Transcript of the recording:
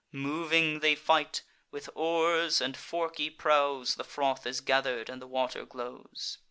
Moving they fight; with oars and forky prows The froth is gather'd, and the water glows.